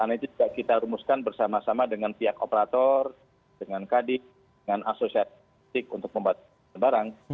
karena itu kita rumuskan bersama sama dengan pihak operator dengan kd dengan asosiasi logistik untuk pembatasan barang